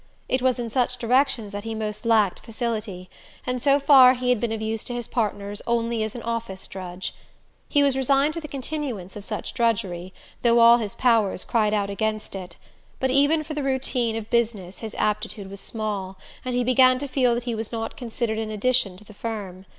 It was in such directions that he most lacked facility, and so far he had been of use to his partners only as an office drudge. He was resigned to the continuance of such drudgery, though all his powers cried out against it; but even for the routine of business his aptitude was small, and he began to feel that he was not considered an addition to the firm.